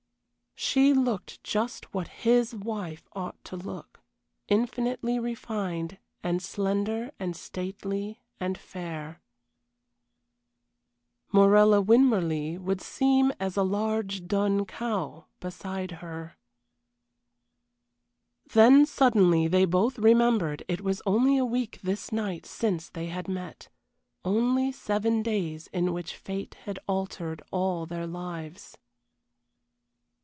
She looked just what his wife ought to look, infinitely refined and slender and stately and fair. Morella Winmarleigh would seem as a large dun cow beside her. Then suddenly they both remembered it was only a week this night since they had met. Only seven days in which fate had altered all their lives.